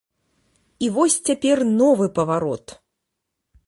І вось цяпер новы паварот.